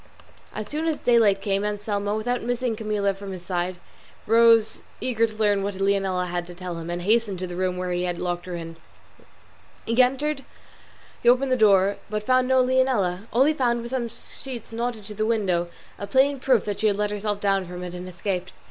As soon as daylight came Anselmo, without missing Camilla from his side, rose cager to learn what Leonela had to tell him, and hastened to the room where he had locked her in. He opened the door, entered, but found no Leonela; all he found was some sheets knotted to the window, a plain proof that she had let herself down from it and escaped.